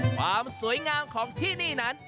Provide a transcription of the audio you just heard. ความสวยงามของที่นี่นั้น